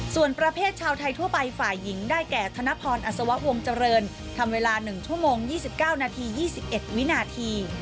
ส่วนประเภทชาวไทยทั่วไปฝ่ายหญิงได้แก่ธนพรอัศวะวงจรรย์ทำเวลาหนึ่งชั่วโมงยี่สิบเก้านาทียี่สิบเอ็ดวินาที